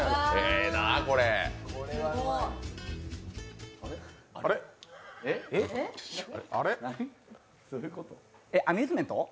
えっ、アミューズメント？